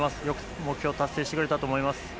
よく目標達成してくれたと思います。